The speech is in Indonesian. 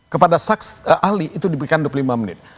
kepada saksi ahli itu diberikan dua puluh lima menit